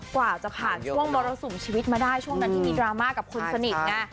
กว่าจะผ่านช่วงมรสุมชีวิตมาได้ช่วงนั้นที่มีดราม่ากับคนสนิทไง